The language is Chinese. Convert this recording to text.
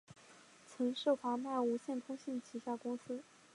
曾是华脉无线通信旗下公司。